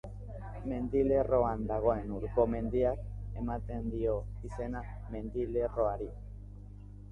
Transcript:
Mendilerroan dagoen Urko mendiak ematen dio izena mendilerroari.